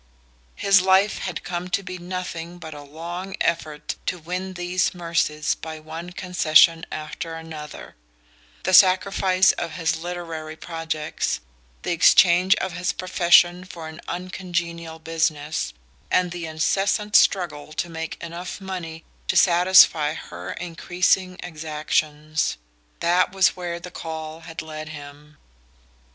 His life had come to be nothing but a long effort to win these mercies by one concession after another: the sacrifice of his literary projects, the exchange of his profession for an uncongenial business, and the incessant struggle to make enough money to satisfy her increasing exactions. That was where the "call" had led him...